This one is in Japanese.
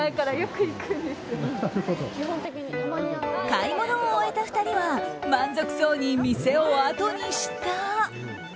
買い物を終えた２人は満足そうに店をあとにした。